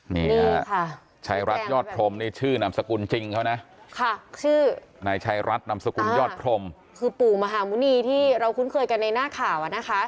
นี่ค่ะชัยรัฐยอดพรมนี่ชื่อนามสกุลจริงเขานะค่ะชื่อนายชัยรัฐนามสกุลยอดพรมคือปู่มหาหมุณีที่เราคุ้นเคยกันในหน้าข่าวอ่ะนะคะ